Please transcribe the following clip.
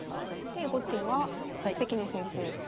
で後手は関根先生。